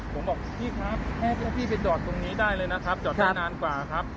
ผมบอกพี่ครับให้พวกพี่ไปจอดตรงนี้ได้เลยนะครับจอดได้นานกว่าครับ